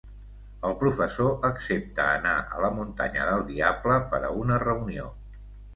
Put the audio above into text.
El professor accepta anar a la muntanya del Diable per a una reunió.